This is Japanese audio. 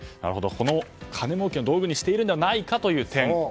この金もうけの道具にしているんじゃないかという点